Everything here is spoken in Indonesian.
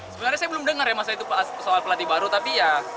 sebenarnya saya belum dengar ya masalah itu soal pelatih baru tapi ya